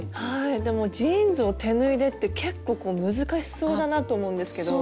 でもジーンズを手縫いでって結構難しそうだなって思うんですけど。